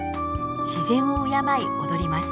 自然を敬い踊ります。